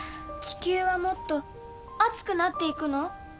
地球はもっと熱くなっていくの？